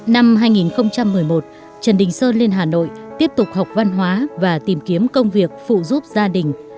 năm hai nghìn một mươi một trần đình sơn lên hà nội tiếp tục học văn hóa và tìm kiếm công việc phụ giúp gia đình